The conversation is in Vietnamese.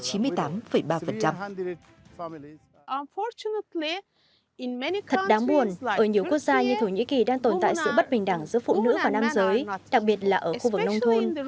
thật đáng buồn ở nhiều quốc gia như thổ nhĩ kỳ đang tồn tại sự bất bình đẳng giữa phụ nữ và nam giới đặc biệt là ở khu vực nông thôn